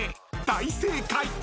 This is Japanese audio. ［大正解］